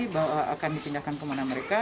bahwa akan dipindahkan ke mana mereka